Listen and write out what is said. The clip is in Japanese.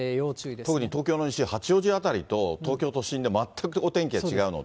特に東京の西と、東京都心で、全くお天気が違うので。